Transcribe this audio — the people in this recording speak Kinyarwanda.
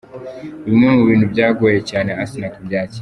Bimwe mu bintu byagoye cyane Asinah kubyakira.